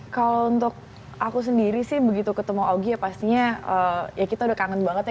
kalau untuk aku sendiri sih begitu ketemu augie ya pastinya ya kita udah kangen banget ya